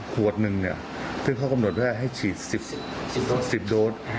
ขวดหนึ่งเนี่ยซึ่งเขากำหนดไว้ให้ฉีด๑๐โดส